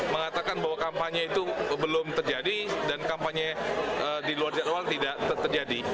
mengatakan bahwa kampanye itu belum terjadi dan kampanye di luar jadwal tidak terjadi